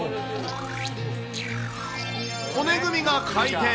骨組みが回転。